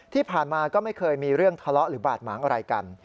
ที่ผ่านมาก็ไม่เคยมีเรื่องทะเลาะหรือบาดหมางอะไรกัน